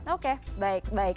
oke baik baik